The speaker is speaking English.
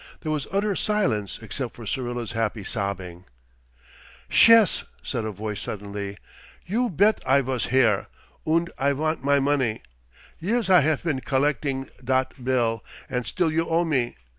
There was utter silence except for Syrilla's happy sobbing. "Shess!" said a voice suddenly. "You bet I vos here! Und I vant my money! Years I haf been collecding dot bill, und still you owe me.